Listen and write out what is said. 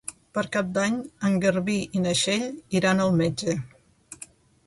Per Cap d'Any en Garbí i na Txell iran al metge.